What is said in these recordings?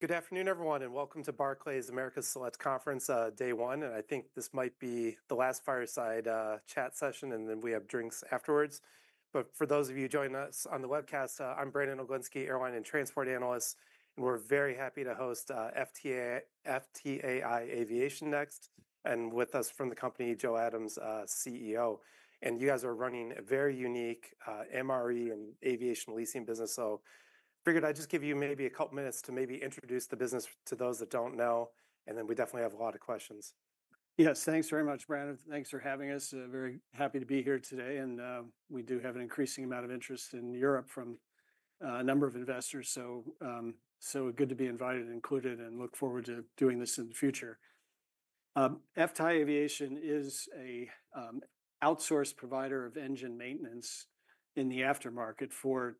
Good afternoon, everyone, and welcome to Barclays America's Select Conference, Day One. I think this might be the last fireside chat session, and then we have drinks afterwards. For those of you joining us on the webcast, I'm Brandon Oginski, Airline and Transport Analyst, and we're very happy to host FTAI Aviation Next. With us from the company, Joe Adams, CEO. You guys are running a very unique MRE and aviation leasing business. I figured I'd just give you maybe a couple minutes to maybe introduce the business to those that don't know, and then we definitely have a lot of questions. Yes, thanks very much, Brandon. Thanks for having us. Very happy to be here today. We do have an increasing amount of interest in Europe from a number of investors. Good to be invited and included, and look forward to doing this in the future. FTAI Aviation is an outsourced provider of engine maintenance in the aftermarket for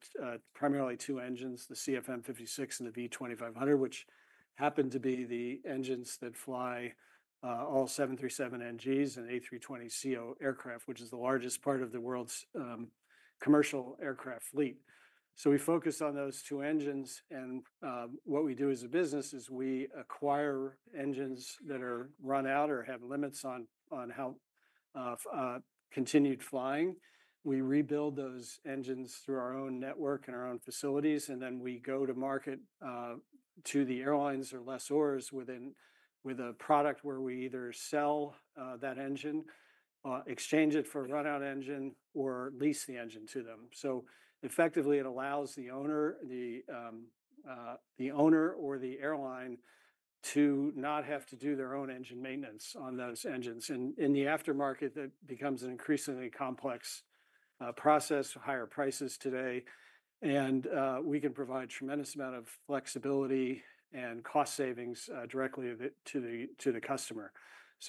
primarily two engines, the CFM56 and the V2500, which happen to be the engines that fly all 737 NGs and A320ceo aircraft, which is the largest part of the world's commercial aircraft fleet. We focus on those two engines. What we do as a business is we acquire engines that are run out or have limits on how continued flying. We rebuild those engines through our own network and our own facilities, and then we go to market, to the airlines or lessors with a product where we either sell that engine, exchange it for a runout engine, or lease the engine to them. It allows the owner, the owner or the airline to not have to do their own engine maintenance on those engines. In the aftermarket, that becomes an increasingly complex process, higher prices today. We can provide a tremendous amount of flexibility and cost savings directly to the customer.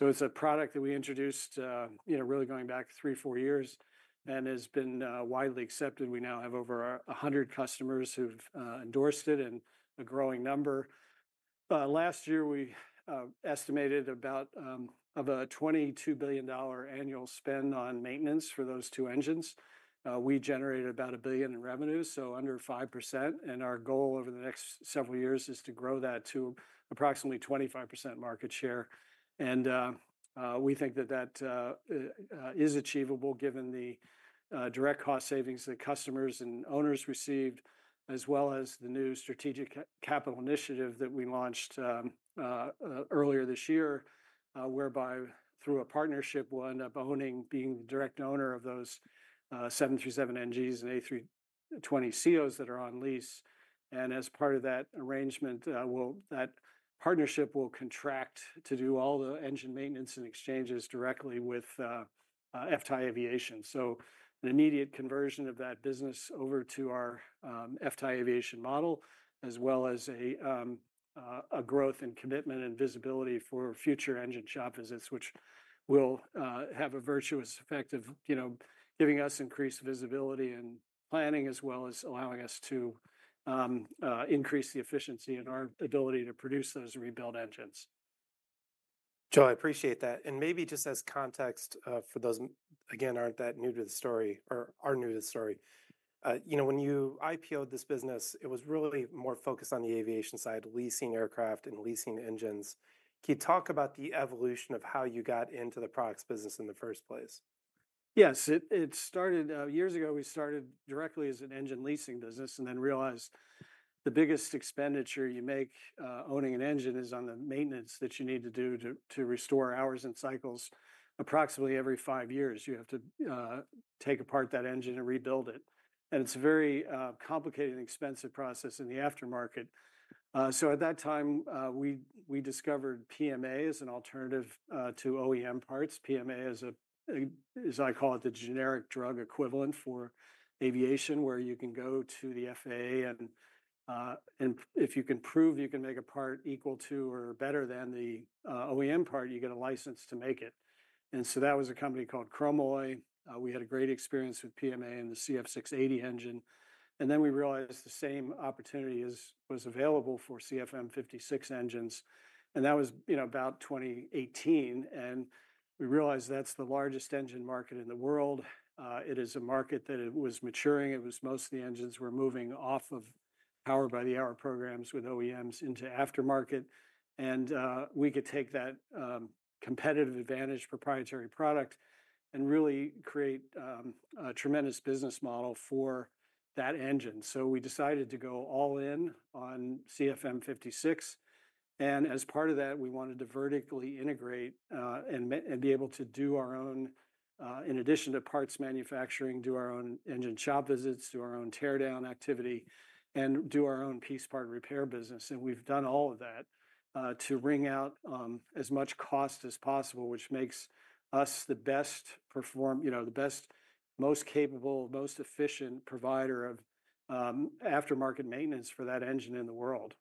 It's a product that we introduced, you know, really going back three, four years, and has been widely accepted. We now have over 100 customers who've endorsed it and a growing number. Last year, we estimated about a $22 billion annual spend on maintenance for those two engines. We generated about $1 billion in revenue, so under 5%. Our goal over the next several years is to grow that to approximately 25% market share. We think that is achievable given the direct cost savings that customers and owners received, as well as the new Strategic Capital Initiative that we launched earlier this year, whereby through a partnership, we'll end up owning, being the direct owner of those 737 NGs and A320ceos that are on lease. As part of that arrangement, that partnership will contract to do all the engine maintenance and exchanges directly with FTAI Aviation. An immediate conversion of that business over to our FTAI Aviation model, as well as a growth and commitment and visibility for future engine shop visits, which will have a virtuous effect of, you know, giving us increased visibility and planning, as well as allowing us to increase the efficiency and our ability to produce those rebuild engines. Joe, I appreciate that. Maybe just as context, for those again, aren't that new to the story or are new to the story, you know, when you IPO'd this business, it was really more focused on the aviation side, leasing aircraft and leasing engines. Can you talk about the evolution of how you got into the products business in the first place? Yes, it started years ago. We started directly as an engine leasing business and then realized the biggest expenditure you make, owning an engine, is on the maintenance that you need to do to restore hours and cycles. Approximately every five years, you have to take apart that engine and rebuild it. It's a very complicated and expensive process in the aftermarket. At that time, we discovered PMA as an alternative to OEM parts. PMA is, as I call it, the generic drug equivalent for aviation, where you can go to the FAA and, if you can prove you can make a part equal to or better than the OEM part, you get a license to make it. That was a company called Chromalloy. We had a great experience with PMA and the CFM56 engine. Then we realized the same opportunity was available for CFM56 engines. That was, you know, about 2018. We realized that's the largest engine market in the world. It is a market that was maturing. Most of the engines were moving off of power by the hour programs with OEMs into aftermarket. We could take that competitive advantage, proprietary product, and really create a tremendous business model for that engine. We decided to go all in on CFM56. As part of that, we wanted to vertically integrate and be able to do our own, in addition to parts manufacturing, do our own engine shop visits, do our own teardown activity, and do our own piece part repair business. We have done all of that to wring out as much cost as possible, which makes us the best, you know, the best, most capable, most efficient provider of aftermarket maintenance for that engine in the world.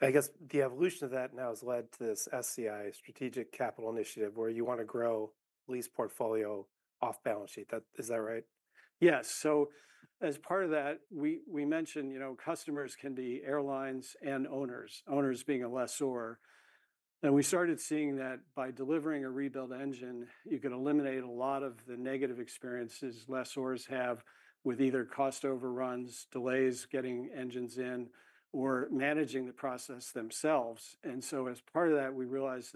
I guess the evolution of that now has led to this SCI, Strategic Capital Initiative, where you want to grow lease portfolio off balance sheet. That is that right? Yes. As part of that, we mentioned, you know, customers can be airlines and owners, owners being a lessor. We started seeing that by delivering a rebuild engine, you can eliminate a lot of the negative experiences lessors have with either cost overruns, delays getting engines in, or managing the process themselves. As part of that, we realized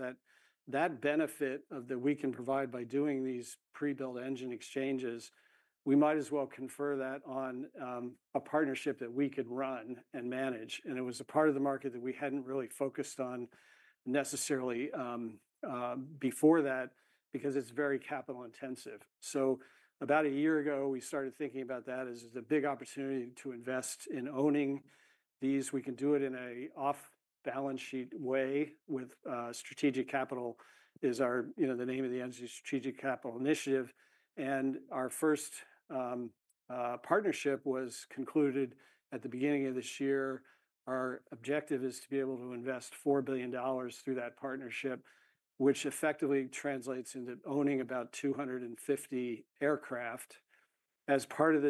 that benefit that we can provide by doing these pre-build engine exchanges, we might as well confer that on a partnership that we could run and manage. It was a part of the market that we had not really focused on necessarily before that because it is very capital intensive. About a year ago, we started thinking about that as a big opportunity to invest in owning these. We can do it in an off balance sheet way with, Strategic Capital is our, you know, the name of the entity, Strategic Capital Initiative. Our first partnership was concluded at the beginning of this year. Our objective is to be able to invest $4 billion through that partnership, which effectively translates into owning about 250 aircraft. As part of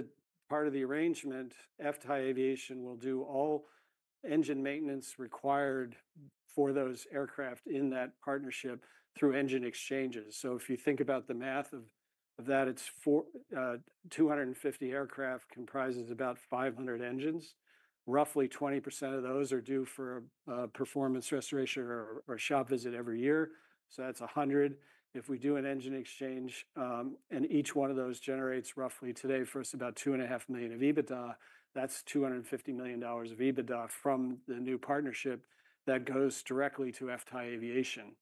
the arrangement, FTAI Aviation will do all engine maintenance required for those aircraft in that partnership through engine exchanges. If you think about the math of that, 250 aircraft comprises about 500 engines. Roughly 20% of those are due for a performance restoration or shop visit every year. That's 100. If we do an engine exchange, and each one of those generates roughly today for us about $2.5 million of EBITDA, that's $250 million of EBITDA from the new partnership that goes directly to FTAI Aviation.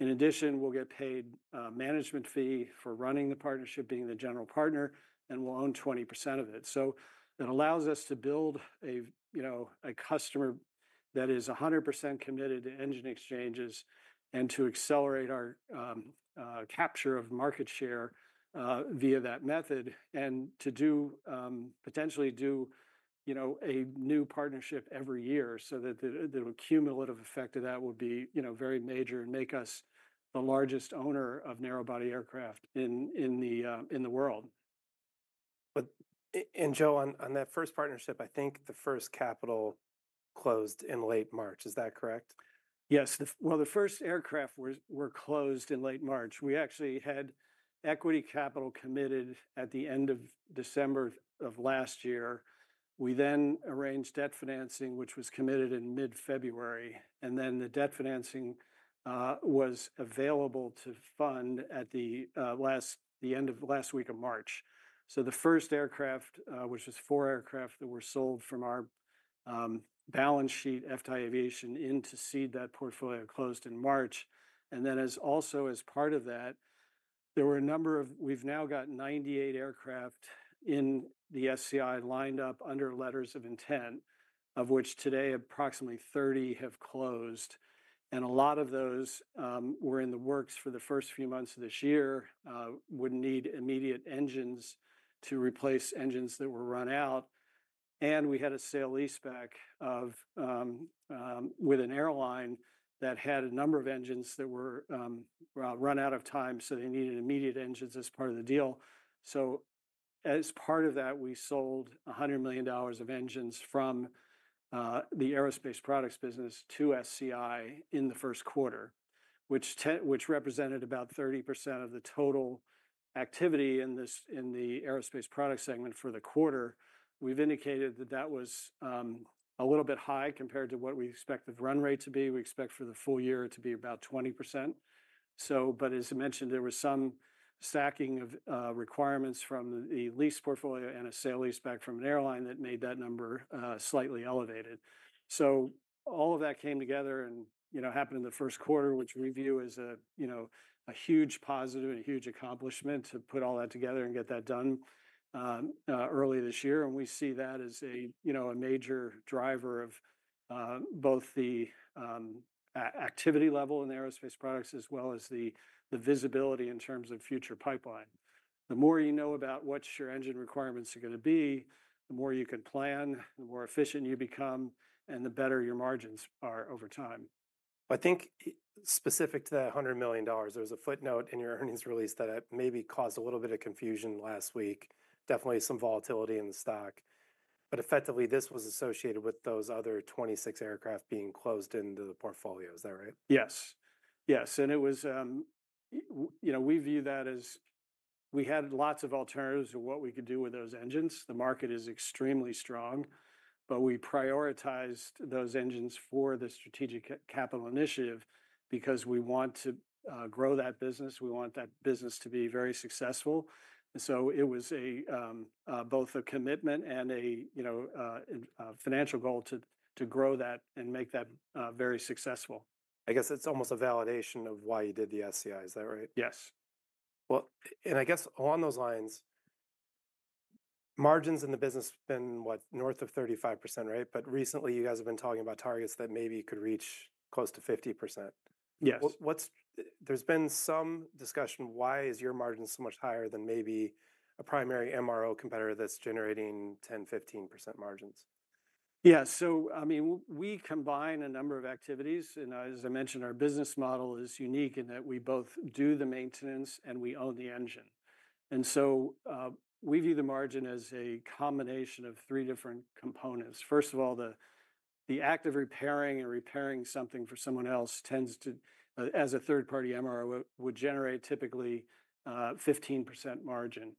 In addition, we'll get paid a management fee for running the partnership, being the general partner, and we'll own 20% of it. That allows us to build a, you know, a customer that is 100% committed to engine exchanges and to accelerate our, capture of market share, via that method and to do, potentially do, you know, a new partnership every year so that the, the cumulative effect of that will be, you know, very major and make us the largest owner of narrow body aircraft in, in the, in the world. Joe, on that first partnership, I think the first capital closed in late March. Is that correct? Yes. The first aircraft were closed in late March. We actually had equity capital committed at the end of December of last year. We then arranged debt financing, which was committed in mid-February. The debt financing was available to fund at the end of the last week of March. The first aircraft, which was four aircraft that were sold from our balance sheet, FTAI Aviation, into seed that portfolio closed in March. Also as part of that, there were a number of, we've now got 98 aircraft in the SCI lined up under letters of intent, of which today approximately 30 have closed. A lot of those were in the works for the first few months of this year, would need immediate engines to replace engines that were run out. We had a sale lease back with an airline that had a number of engines that were run out of time, so they needed immediate engines as part of the deal. As part of that, we sold $100 million of engines from the aerospace products business to SCI in the first quarter, which represented about 30% of the total activity in this aerospace product segment for the quarter. We've indicated that that was a little bit high compared to what we expect the run rate to be. We expect for the full year to be about 20%. As mentioned, there was some stacking of requirements from the lease portfolio and a sale lease back from an airline that made that number slightly elevated. All of that came together and, you know, happened in the first quarter, which we view as a, you know, a huge positive and a huge accomplishment to put all that together and get that done, early this year. We see that as a, you know, a major driver of, both the, activity level in aerospace products as well as the, the visibility in terms of future pipeline. The more you know about what your engine requirements are going to be, the more you can plan, the more efficient you become, and the better your margins are over time. I think specific to that $100 million, there was a footnote in your earnings release that it maybe caused a little bit of confusion last week. Definitely some volatility in the stock. Effectively, this was associated with those other 26 aircraft being closed into the portfolio. Is that right? Yes. Yes. You know, we view that as we had lots of alternatives to what we could do with those engines. The market is extremely strong, but we prioritized those engines for the Strategic Capital Initiative because we want to grow that business. We want that business to be very successful. It was both a commitment and a, you know, financial goal to grow that and make that very successful. I guess it's almost a validation of why you did the SCI. Is that right? Yes. I guess along those lines, margins in the business have been what, north of 35%, right? Recently, you guys have been talking about targets that maybe could reach close to 50%. Yes. There's been some discussion. Why is your margin so much higher than maybe a primary MRO competitor that's generating 10%-15% margins? Yeah. I mean, we combine a number of activities. As I mentioned, our business model is unique in that we both do the maintenance and we own the engine. We view the margin as a combination of three different components. First of all, the act of repairing and repairing something for someone else tends to, as a third party MRO, would generate typically 15% margin.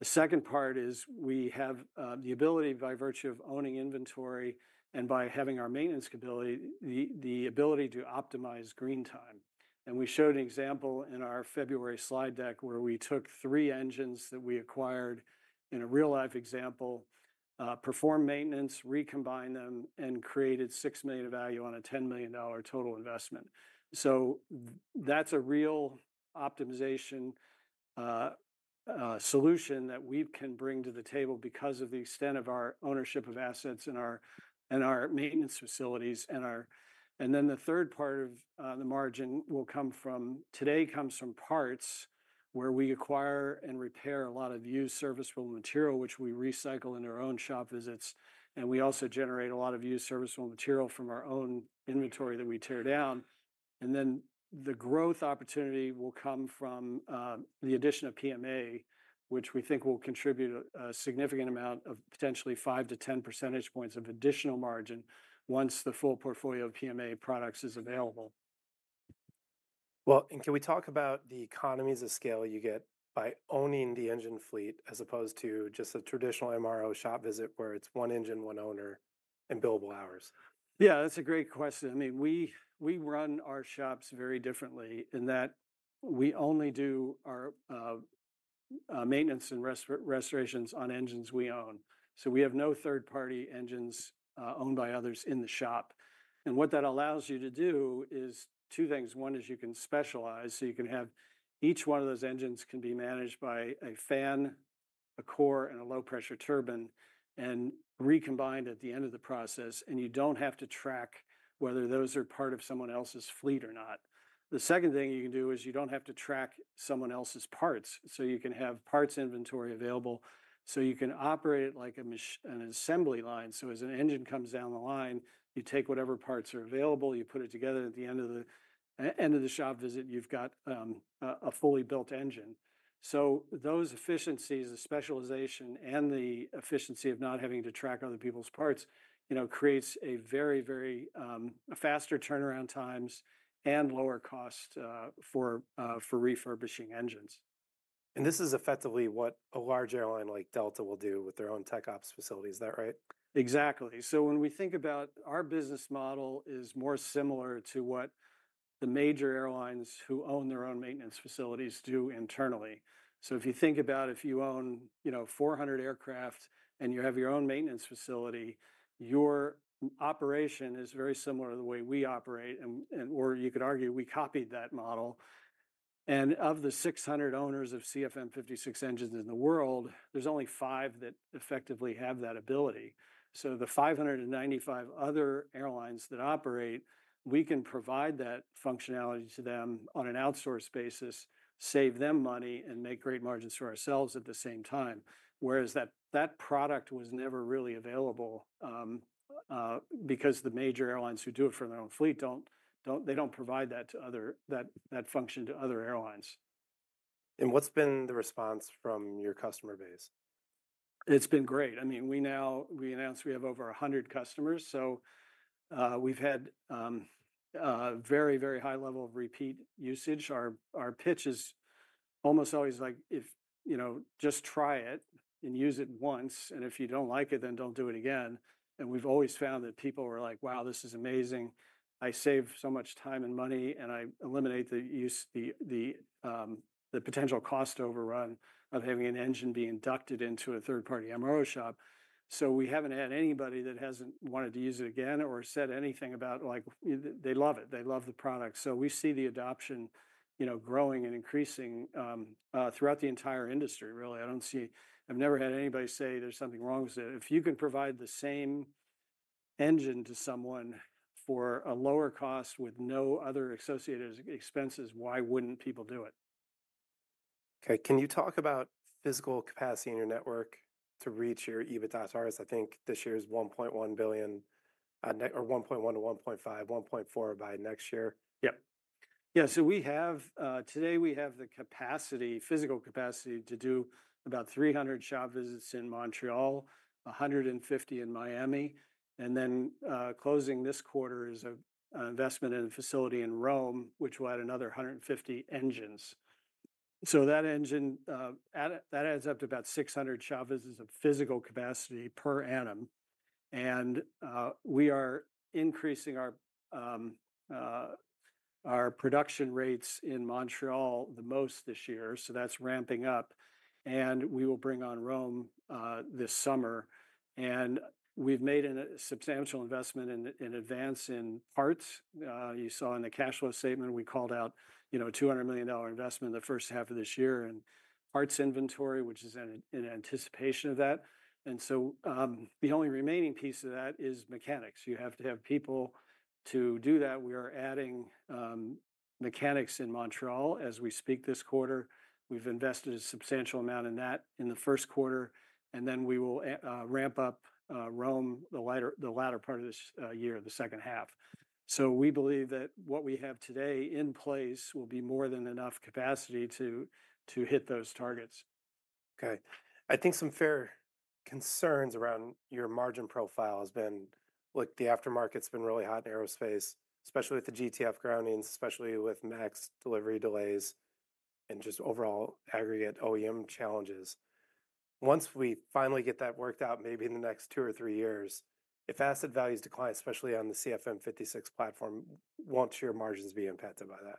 The second part is we have the ability by virtue of owning inventory and by having our maintenance capability, the ability to optimize green time. We showed an example in our February slide deck where we took three engines that we acquired in a real life example, performed maintenance, recombined them, and created $6 million of value on a $10 million total investment. That's a real optimization solution that we can bring to the table because of the extent of our ownership of assets and our maintenance facilities, and then the third part of the margin comes from parts where we acquire and repair a lot of used serviceable material, which we recycle in our own shop visits. We also generate a lot of used serviceable material from our own inventory that we tear down. The growth opportunity will come from the addition of PMA, which we think will contribute a significant amount of potentially 5-10 percentage points of additional margin once the full portfolio of PMA products is available. Can we talk about the economies of scale you get by owning the engine fleet as opposed to just a traditional MRO shop visit where it's one engine, one owner and billable hours? Yeah, that's a great question. I mean, we run our shops very differently in that we only do our maintenance and restorations on engines we own. We have no third party engines, owned by others in the shop. What that allows you to do is two things. One is you can specialize. Each one of those engines can be managed by a fan, a core, and a low pressure turbine and recombined at the end of the process. You don't have to track whether those are part of someone else's fleet or not. The second thing you can do is you don't have to track someone else's parts. You can have parts inventory available. You can operate it like a machine, an assembly line. As an engine comes down the line, you take whatever parts are available, you put it together at the end of the shop visit, you have a fully built engine. Those efficiencies, the specialization and the efficiency of not having to track other people's parts, you know, creates very, very faster turnaround times and lower cost for refurbishing engines. This is effectively what a large airline like Delta will do with their own tech ops facility. Is that right? Exactly. When we think about our business model, it is more similar to what the major airlines who own their own maintenance facilities do internally. If you think about if you own, you know, 400 aircraft and you have your own maintenance facility, your operation is very similar to the way we operate. Or you could argue we copied that model. Of the 600 owners of CFM56 engines in the world, there are only five that effectively have that ability. The 595 other airlines that operate, we can provide that functionality to them on an outsource basis, save them money, and make great margins for ourselves at the same time. That product was never really available, because the major airlines who do it for their own fleet, they don't provide that function to other airlines. What's been the response from your customer base? It's been great. I mean, we now, we announced we have over 100 customers. We've had very, very high level of repeat usage. Our pitch is almost always like if, you know, just try it and use it once. If you don't like it, then don't do it again. We've always found that people were like, wow, this is amazing. I save so much time and money and I eliminate the use, the potential cost overrun of having an engine be inducted into a third party MRO shop. We haven't had anybody that hasn't wanted to use it again or said anything about like, they love it. They love the product. We see the adoption, you know, growing and increasing throughout the entire industry, really. I don't see, I've never had anybody say there's something wrong with it. If you can provide the same engine to someone for a lower cost with no other associated expenses, why wouldn't people do it? Okay. Can you talk about physical capacity in your network to reach your EBITDA targets? I think this year's $1.1 billion, or $1.1 billion-$1.4 billion by next year. Yep. Yeah. We have, today we have the capacity, physical capacity to do about 300 shop visits in Montreal, 150 in Miami. Closing this quarter is a, investment in a facility in Rome, which will add another 150 engines. That adds up to about 600 shop visits of physical capacity per annum. We are increasing our, our production rates in Montreal the most this year. That is ramping up. We will bring on Rome this summer. We've made a substantial investment in, in advance in parts. You saw in the cash flow statement, we called out, you know, $200 million investment in the first half of this year in parts inventory, which is in anticipation of that. The only remaining piece of that is mechanics. You have to have people to do that. We are adding mechanics in Montreal as we speak this quarter. We've invested a substantial amount in that in the first quarter. We will ramp up Rome the latter part of this year, the second half. We believe that what we have today in place will be more than enough capacity to hit those targets. Okay. I think some fair concerns around your margin profile has been, look, the aftermarket's been really hot in aerospace, especially with the GTF groundings, especially with max delivery delays and just overall aggregate OEM challenges. Once we finally get that worked out, maybe in the next two or three years, if asset values decline, especially on the CFM56 platform, won't your margins be impacted by that?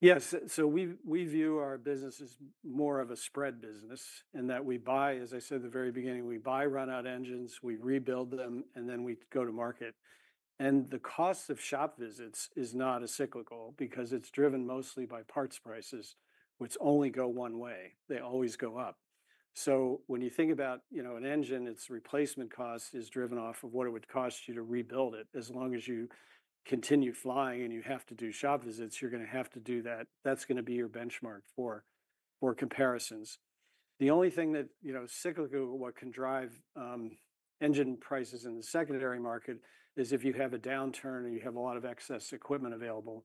Yes. We view our business as more of a spread business in that we buy, as I said at the very beginning, we buy runout engines, we rebuild them, and then we go to market. The cost of shop visits is not cyclical because it is driven mostly by parts prices, which only go one way. They always go up. When you think about, you know, an engine, its replacement cost is driven off of what it would cost you to rebuild it. As long as you continue flying and you have to do shop visits, you are going to have to do that. That is going to be your benchmark for comparisons. The only thing that, you know, cyclical, what can drive engine prices in the secondary market is if you have a downturn or you have a lot of excess equipment available.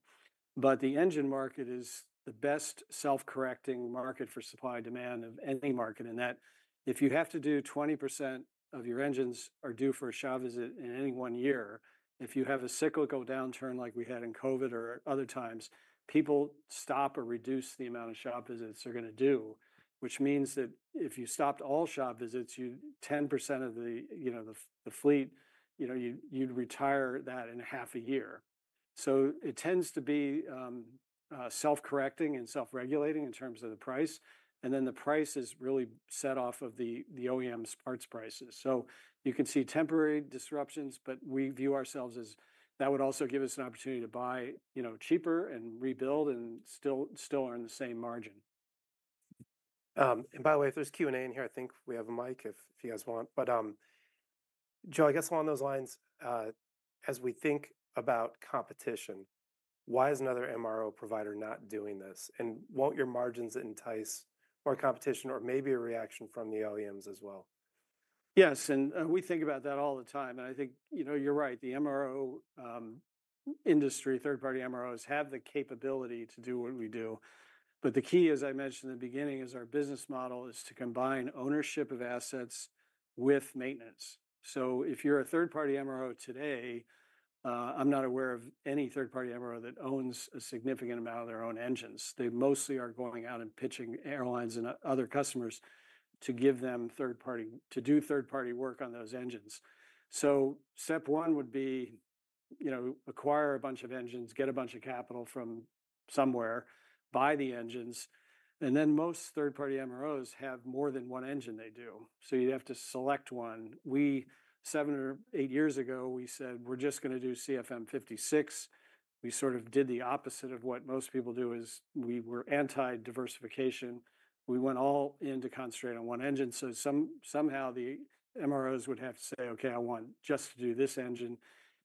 The engine market is the best self-correcting market for supply and demand of any market in that if you have to do 20% of your engines are due for a shop visit in any one year, if you have a cyclical downturn like we had in COVID or other times, people stop or reduce the amount of shop visits they're going to do, which means that if you stopped all shop visits, 10% of the, you know, the fleet, you know, you'd retire that in a half a year. It tends to be self-correcting and self-regulating in terms of the price. The price is really set off of the OEM's parts prices. You can see temporary disruptions, but we view ourselves as that would also give us an opportunity to buy, you know, cheaper and rebuild and still, still earn the same margin. And by the way, if there's Q&A in here, I think we have a mic if you guys want. But, Joe, I guess along those lines, as we think about competition, why is another MRO provider not doing this? And won't your margins entice more competition or maybe a reaction from the OEMs as well? Yes. We think about that all the time. I think, you know, you're right. The MRO industry, third party MROs have the capability to do what we do. The key, as I mentioned in the beginning, is our business model is to combine ownership of assets with maintenance. If you're a third party MRO today, I'm not aware of any third party MRO that owns a significant amount of their own engines. They mostly are going out and pitching airlines and other customers to give them third party, to do third party work on those engines. Step one would be, you know, acquire a bunch of engines, get a bunch of capital from somewhere, buy the engines. Most third party MROs have more than one engine they do. You'd have to select one. We, seven or eight years ago, we said, we're just going to do CFM56. We sort of did the opposite of what most people do is we were anti-diversification. We went all in to concentrate on one engine. Somehow the MROs would have to say, okay, I want just to do this engine.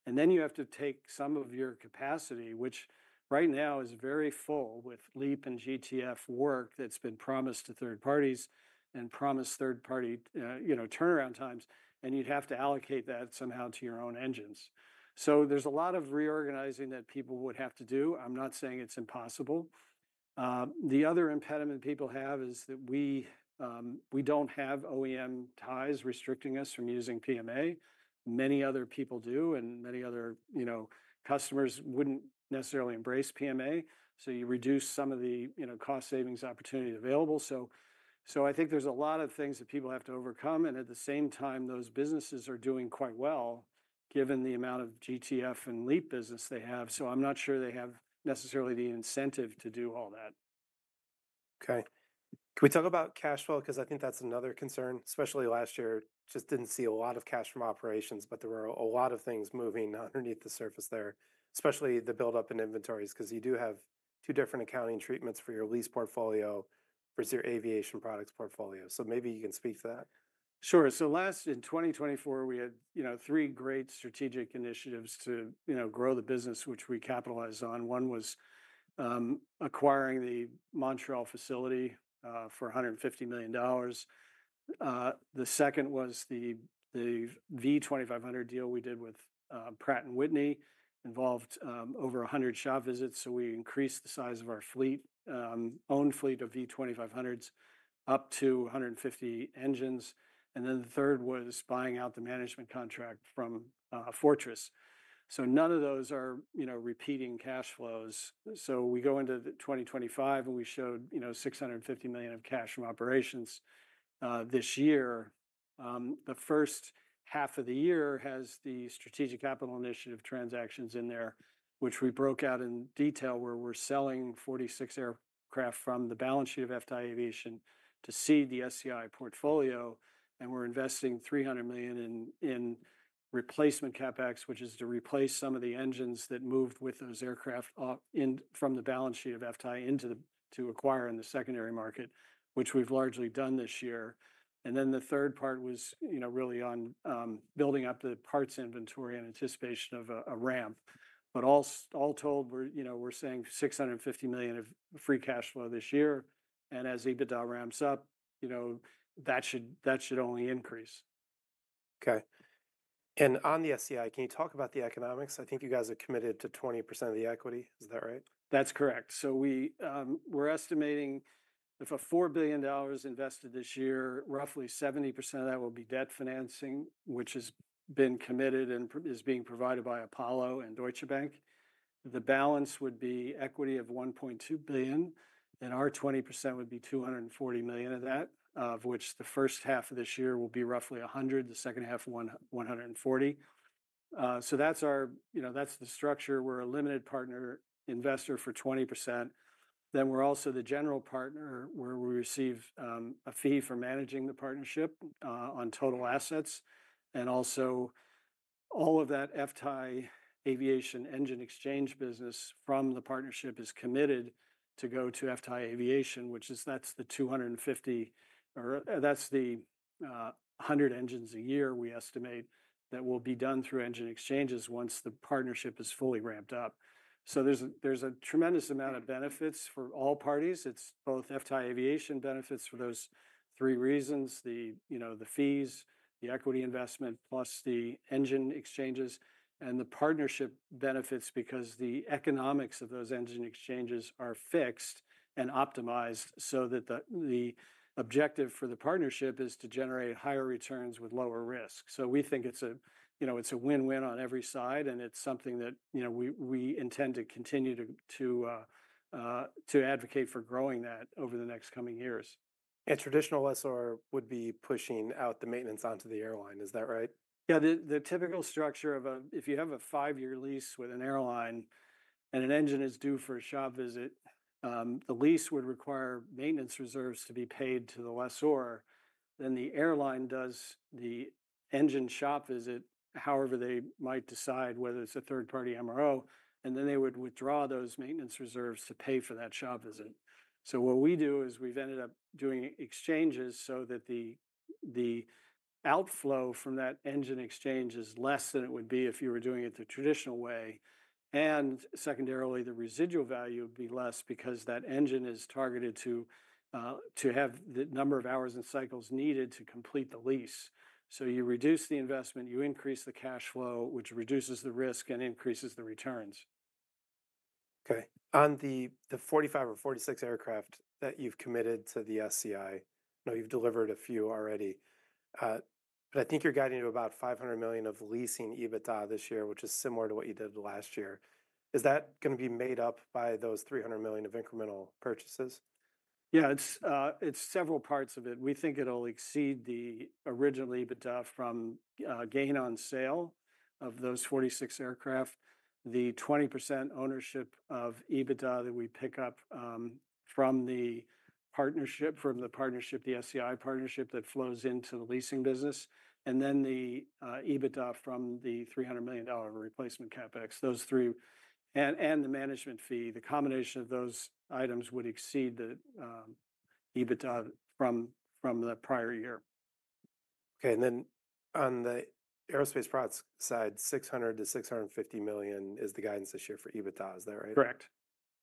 You have to take some of your capacity, which right now is very full with LEAP and GTF work that's been promised to third parties and promised third party, you know, turnaround times. You'd have to allocate that somehow to your own engines. There's a lot of reorganizing that people would have to do. I'm not saying it's impossible. The other impediment people have is that we don't have OEM ties restricting us from using PMA. Many other people do and many other, you know, customers wouldn't necessarily embrace PMA. You reduce some of the, you know, cost savings opportunity available. I think there are a lot of things that people have to overcome. At the same time, those businesses are doing quite well given the amount of GTF and LEAP business they have. I am not sure they have necessarily the incentive to do all that. Okay. Can we talk about cash flow? Because I think that's another concern, especially last year, just didn't see a lot of cash from operations, but there were a lot of things moving underneath the surface there, especially the buildup in inventories, because you do have two different accounting treatments for your lease portfolio versus your aviation products portfolio. Maybe you can speak to that. Sure. Last in 2024, we had, you know, three great strategic initiatives to, you know, grow the business, which we capitalized on. One was acquiring the Montreal facility for $150 million. The second was the V2500 deal we did with Pratt & Whitney involved over 100 shop visits. We increased the size of our own fleet of V2500s up to 150 engines. The third was buying out the management contract from Fortress. None of those are, you know, repeating cash flows. We go into 2025 and we showed, you know, $650 million of cash from operations this year. The first half of the year has the Strategic Capital Initiative transactions in there, which we broke out in detail where we're selling 46 aircraft from the balance sheet of FTAI Aviation to seed the SCI portfolio. We're investing $300 million in replacement CapEx, which is to replace some of the engines that moved with those aircraft up from the balance sheet of FTAI into the, to acquire in the secondary market, which we've largely done this year. The third part was, you know, really on building up the parts inventory in anticipation of a ramp. All told, we're, you know, we're saying $650 million of free cash flow this year. As EBITDA ramps up, you know, that should only increase. Okay. On the SCI, can you talk about the economics? I think you guys are committed to 20% of the equity. Is that right? That's correct. We are estimating if a $4 billion invested this year, roughly 70% of that will be debt financing, which has been committed and is being provided by Apollo and Deutsche Bank. The balance would be equity of $1.2 billion. Our 20% would be $240 million of that, of which the first half of this year will be roughly $100 million, the second half, $140 million. That is our, you know, that is the structure. We are a limited partner investor for 20%. We are also the general partner where we receive a fee for managing the partnership on total assets. Also, all of that FTAI Aviation engine exchange business from the partnership is committed to go to FTAI Aviation, which is, that is the 250 or that is the 100 engines a year we estimate that will be done through engine exchanges once the partnership is fully ramped up. There is a tremendous amount of benefits for all parties. FTAI Aviation benefits for those three reasons, the fees, the equity investment, plus the engine exchanges and the partnership benefits because the economics of those engine exchanges are fixed and optimized so that the objective for the partnership is to generate higher returns with lower risk. We think it is a win-win on every side. It is something that we intend to continue to advocate for growing that over the next coming years. And traditional lessor would be pushing out the maintenance onto the airline. Is that right? Yeah. The typical structure of a, if you have a five-year lease with an airline and an engine is due for a shop visit, the lease would require maintenance reserves to be paid to the lessor. The airline does the engine shop visit, however they might decide whether it's a third party MRO, and then they would withdraw those maintenance reserves to pay for that shop visit. What we do is we've ended up doing exchanges so that the outflow from that engine exchange is less than it would be if you were doing it the traditional way. Secondarily, the residual value would be less because that engine is targeted to have the number of hours and cycles needed to complete the lease. You reduce the investment, you increase the cash flow, which reduces the risk and increases the returns. Okay. On the, the 45 or 46 aircraft that you've committed to the SCI, I know you've delivered a few already, but I think you're guiding to about $500 million of leasing EBITDA this year, which is similar to what you did last year. Is that going to be made up by those $300 million of incremental purchases? Yeah, it's several parts of it. We think it'll exceed the original EBITDA from gain on sale of those 46 aircraft, the 20% ownership of EBITDA that we pick up from the partnership, from the partnership, the SCI partnership that flows into the leasing business, and then the EBITDA from the $300 million of replacement CapEx, those three, and the management fee, the combination of those items would exceed the EBITDA from the prior year. Okay. On the aerospace products side, $600 million to $650 million is the guidance this year for EBITDA. Is that right? Correct.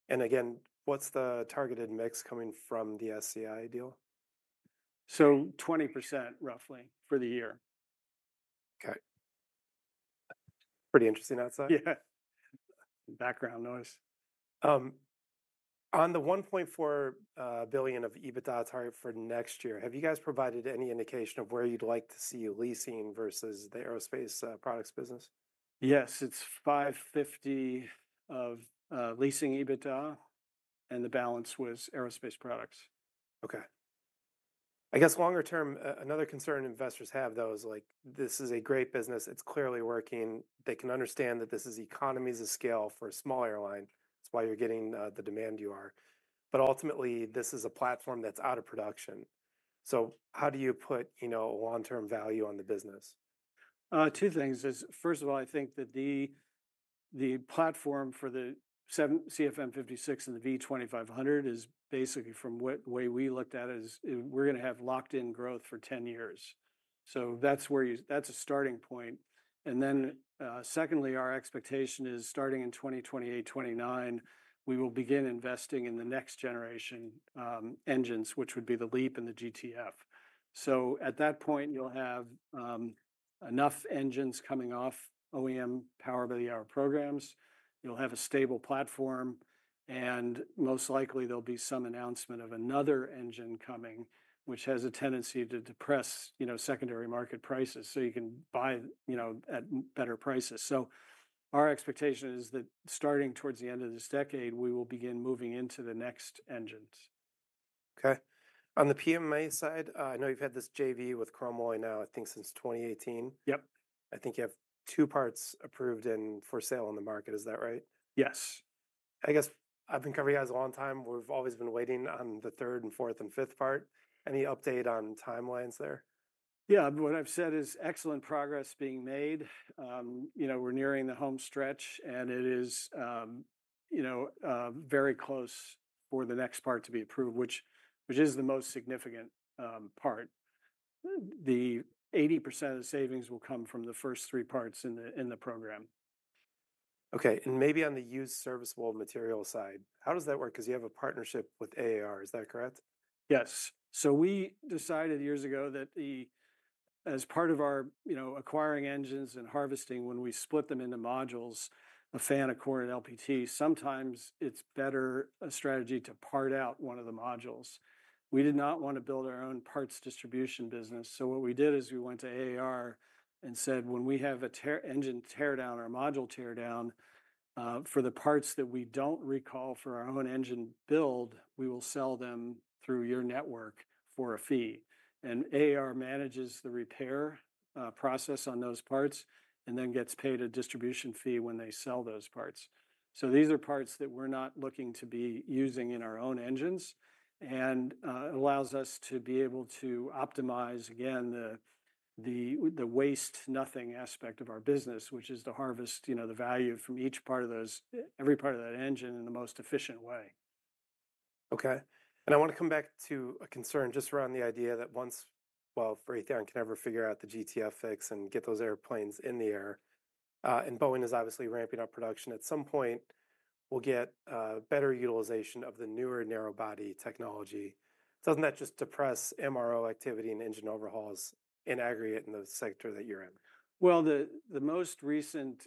And again, what's the targeted mix coming from the SCI deal? 20% roughly for the year. Okay. Pretty interesting outside. Yeah. Background noise. On the $1.4 billion of EBITDA target for next year, have you guys provided any indication of where you'd like to see your leasing versus the aerospace products business? Yes, it's $550 million of leasing EBITDA and the balance was aerospace products. Okay. I guess longer term, another concern investors have though is like, this is a great business. It's clearly working. They can understand that this is economies of scale for a small airline. That's why you're getting, the demand you are. But ultimately, this is a platform that's out of production. How do you put, you know, a long-term value on the business? Two things. First of all, I think that the platform for the CFM56 and the V2500 is basically, from what way we looked at, is we're going to have locked-in growth for 10 years. That's where you, that's a starting point. Secondly, our expectation is starting in 2028, 2029, we will begin investing in the next generation engines, which would be the LEAP and the GTF. At that point, you'll have enough engines coming off OEM Power by the Hour programs. You'll have a stable platform. Most likely there'll be some announcement of another engine coming, which has a tendency to depress, you know, secondary market prices. You can buy, you know, at better prices. Our expectation is that starting towards the end of this decade, we will begin moving into the next engines. Okay. On the PMA side, I know you've had this JV with Chromalloy now, I think since 2018. Yep. I think you have two parts approved and for sale on the market. Is that right? Yes. I guess I've been covering you guys a long time. We've always been waiting on the third and fourth and fifth part. Any update on timelines there? Yeah. What I've said is excellent progress being made. You know, we're nearing the home stretch and it is, you know, very close for the next part to be approved, which is the most significant part. The 80% of the savings will come from the first three parts in the program. Okay. Maybe on the used serviceable material side, how does that work? Because you have a partnership with AAR. Is that correct? Yes. We decided years ago that the, as part of our, you know, acquiring engines and harvesting, when we split them into modules, a fan, a core, an LPT, sometimes it's better a strategy to part out one of the modules. We did not want to build our own parts distribution business. What we did is we went to AAR and said, when we have an engine tear down or module tear down, for the parts that we don't recall for our own engine build, we will sell them through your network for a fee. AAR manages the repair process on those parts and then gets paid a distribution fee when they sell those parts. These are parts that we're not looking to be using in our own engines. It allows us to be able to optimize again the waste nothing aspect of our business, which is to harvest, you know, the value from each part of those, every part of that engine in the most efficient way. Okay. I want to come back to a concern just around the idea that once, well, if they can ever figure out the GTF fix and get those airplanes in the air, and Boeing is obviously ramping up production at some point, we'll get a better utilization of the newer narrow body technology. Doesn't that just depress MRO activity and engine overhauls in aggregate in the sector that you're in? The most recent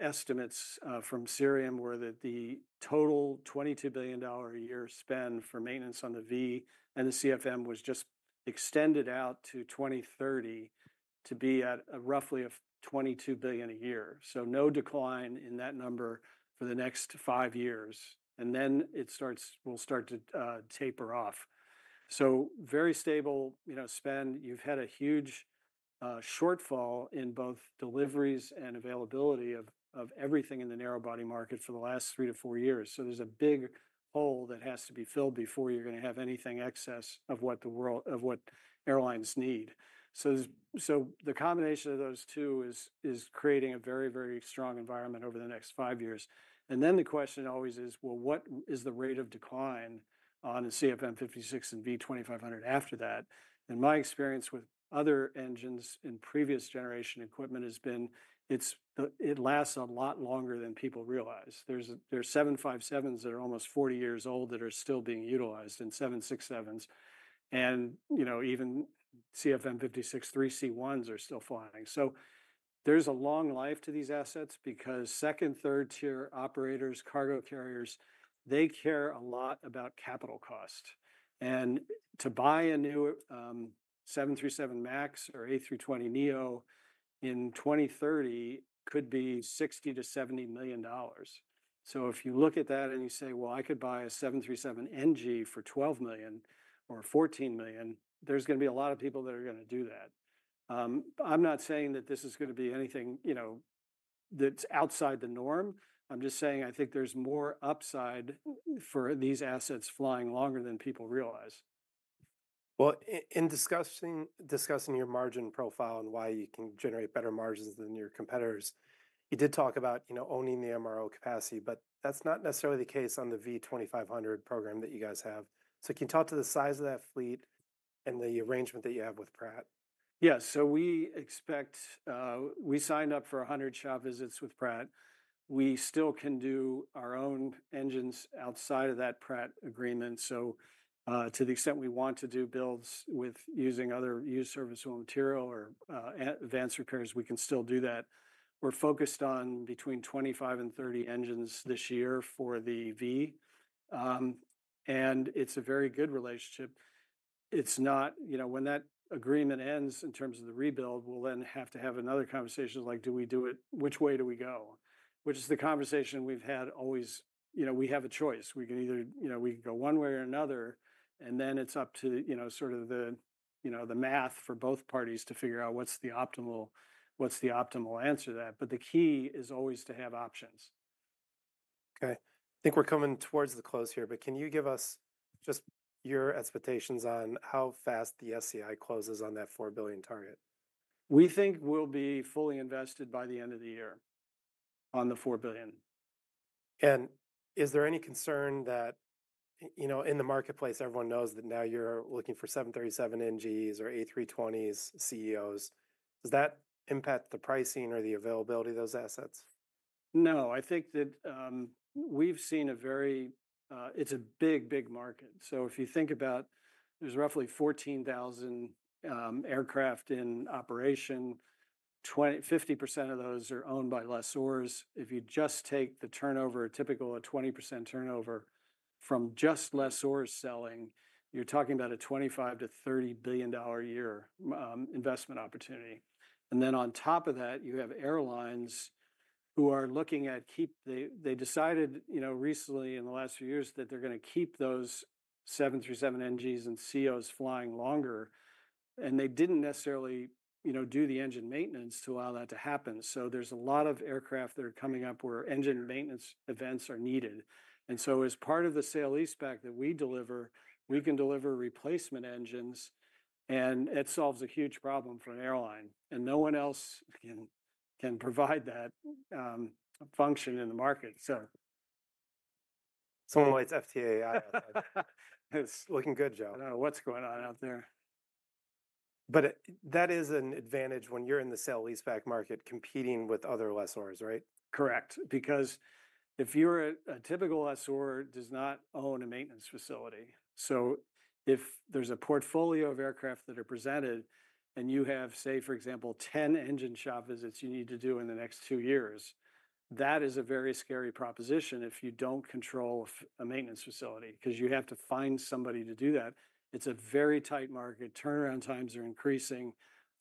estimates from Cerium were that the total $22 billion a year spend for maintenance on the V and the CFM was just extended out to 2030 to be at roughly $22 billion a year. No decline in that number for the next five years. It starts to taper off after that. Very stable, you know, spend. You've had a huge shortfall in both deliveries and availability of everything in the narrow body market for the last three to four years. There's a big hole that has to be filled before you're going to have anything excess of what the world, of what airlines need. The combination of those two is creating a very, very strong environment over the next five years. The question always is, what is the rate of decline on the CFM56 and V2500 after that? My experience with other engines in previous generation equipment has been, it lasts a lot longer than people realize. There are 757s that are almost 40 years old that are still being utilized and 767s. You know, even CFM56 3C1s are still flying. There is a long life to these assets because second, third tier operators, cargo carriers, they care a lot about capital cost. To buy a new 737 MAX or A320neo in 2030 could be $60-$70 million. If you look at that and you say, I could buy a 737 NG for $12 million or $14 million, there's going to be a lot of people that are going to do that. I'm not saying that this is going to be anything, you know, that's outside the norm. I'm just saying I think there's more upside for these assets flying longer than people realize. In discussing, discussing your margin profile and why you can generate better margins than your competitors, you did talk about, you know, owning the MRO capacity, but that's not necessarily the case on the V2500 program that you guys have. Can you talk to the size of that fleet and the arrangement that you have with Pratt? Yeah. We expect, we signed up for 100 shop visits with Pratt. We still can do our own engines outside of that Pratt agreement. To the extent we want to do builds with using other used serviceable material or advanced repairs, we can still do that. We're focused on between 25 and 30 engines this year for the V. and it's a very good relationship. It's not, you know, when that agreement ends in terms of the rebuild, we'll then have to have another conversation of like, do we do it, which way do we go? Which is the conversation we've had always, you know, we have a choice. We can either, you know, we can go one way or another. It is up to, you know, sort of the, you know, the math for both parties to figure out what is the optimal, what is the optimal answer to that. The key is always to have options. Okay. I think we're coming towards the close here, but can you give us just your expectations on how fast the SCI closes on that $4 billion target? We think we'll be fully invested by the end of the year on the $4 billion. Is there any concern that, you know, in the marketplace, everyone knows that now you're looking for 737 NGs or A320ceos? Does that impact the pricing or the availability of those assets? No, I think that we've seen a very, it's a big, big market. If you think about, there's roughly 14,000 aircraft in operation, 20-50% of those are owned by lessors. If you just take the turnover, a typical 20% turnover from just lessors selling, you're talking about a $25 -$30 billion a year investment opportunity. On top of that, you have airlines who are looking at keep, they decided, you know, recently in the last few years that they're going to keep those 737 NGs and ceos flying longer. They didn't necessarily, you know, do the engine maintenance to allow that to happen. There's a lot of aircraft that are coming up where engine maintenance events are needed. As part of the sale lease pack that we deliver, we can deliver replacement engines. It solves a huge problem for an airline. No one else can provide that function in the market. It's almost like FTAI on that. It's looking good, Joe. I don't know what's going on out there. That is an advantage when you're in the sale lease pack market competing with other lessors, right? Correct. Because if you're a typical lessor does not own a maintenance facility. If there's a portfolio of aircraft that are presented and you have, say, for example, 10 engine shop visits you need to do in the next two years, that is a very scary proposition if you don't control a maintenance facility because you have to find somebody to do that. It's a very tight market. Turnaround times are increasing.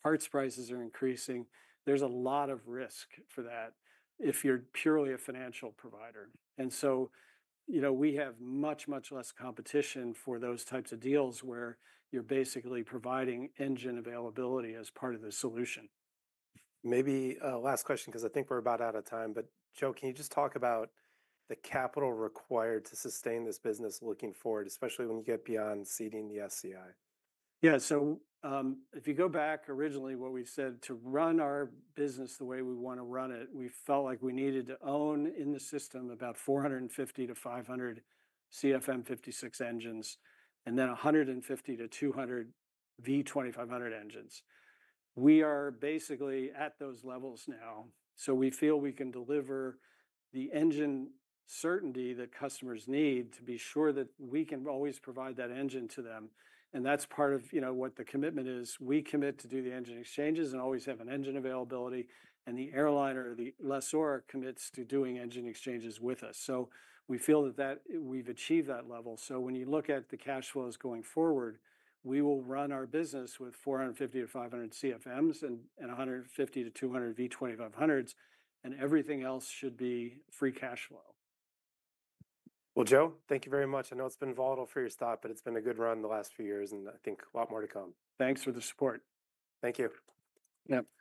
Parts prices are increasing. There's a lot of risk for that if you're purely a financial provider. You know, we have much, much less competition for those types of deals where you're basically providing engine availability as part of the solution. Maybe a last question because I think we're about out of time. Joe, can you just talk about the capital required to sustain this business looking forward, especially when you get beyond seeding the SCI? Yeah. If you go back originally, what we said to run our business the way we want to run it, we felt like we needed to own in the system about 450-500 CFM56 engines and then 150-200 V2500 engines. We are basically at those levels now. We feel we can deliver the engine certainty that customers need to be sure that we can always provide that engine to them. That is part of, you know, what the commitment is. We commit to do the engine exchanges and always have an engine availability. The airliner or the lessor commits to doing engine exchanges with us. We feel that we have achieved that level. When you look at the cash flows going forward, we will run our business with 450-500 CFM56s and 150-200 V2500s. Everything else should be free cash flow. Joe, thank you very much. I know it's been volatile for your stock, but it's been a good run the last few years and I think a lot more to come. Thanks for the support. Thank you. Yep.